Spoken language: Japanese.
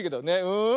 うん。